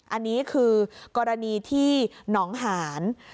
อันนี้คือกรณีที่หนองหาน